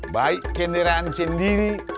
baik kenderaan sendiri